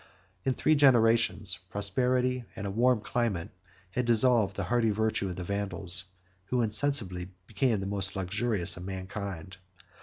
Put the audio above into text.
In three generations, prosperity and a warm climate had dissolved the hardy virtue of the Vandals, who insensibly became the most luxurious of mankind.